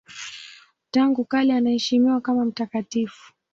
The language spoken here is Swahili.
Tangu kale anaheshimiwa kama mtakatifu.